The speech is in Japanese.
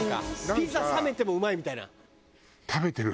ピザ冷めてもうまいみたいな。